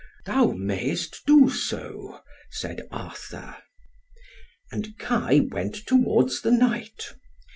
"Thou mayst do so," said Arthur. And Kai went towards the Knight.